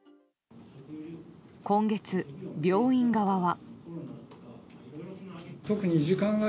今月、病院側は。